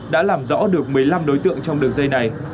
đã làm rõ được một mươi năm đối tượng trong đường dây này